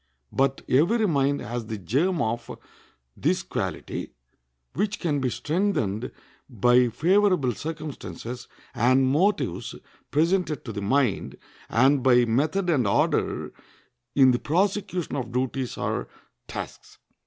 But every mind has the germ of this quality, which can be strengthened by favorable circumstances and motives presented to the mind, and by method and order in the prosecution of duties or tasks.